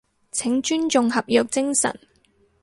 請尊重合約精神